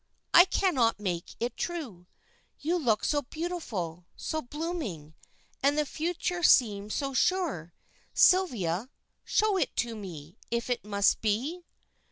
I cannot make it true. You look so beautiful, so blooming, and the future seemed so sure. Sylvia, show it to me, if it must be."